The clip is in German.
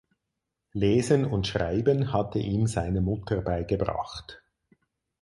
Lesen und Schreiben hatte ihm seine Mutter beigebracht.